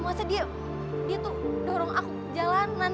maksudnya dia tuh dorong aku jalanan